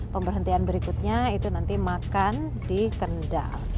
pemberhentian berikutnya itu nanti makan di kendal